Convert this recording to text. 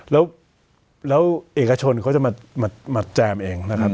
แล้วเอกชนเขาจะมาแจมเองนะครับ